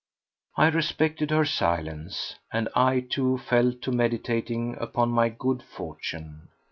I respected her silence, and I, too, fell to meditating upon my good fortune.